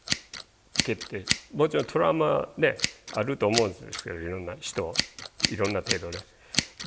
もちろんトラウマあると思うんですけどいろんな人いろんな程度で。